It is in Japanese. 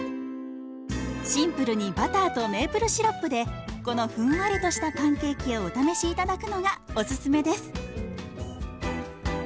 シンプルにバターとメープルシロップでこのふんわりとしたパンケーキをお試し頂くのがお勧めです！